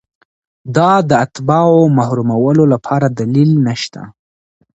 دا د اتباعو محرومولو لپاره دلیل نشته.